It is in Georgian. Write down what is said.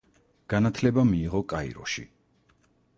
განათლება მიიღო კაიროში.